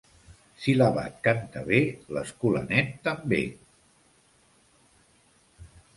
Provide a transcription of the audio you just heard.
Si l'abat canta bé, l'escolanet també.